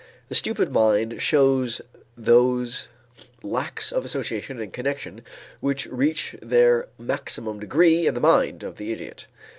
The stupid mind shows those lacks of association and connection which reach their maximum degree in the mind of the idiot.